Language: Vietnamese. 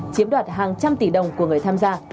chiếm đoạt hàng trăm tỷ đồng của người tham gia